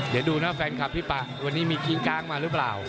เดี๋ยวดูนะแฟนคลับพี่ป่าวันนี้มีคิงก้างมาหรือเปล่า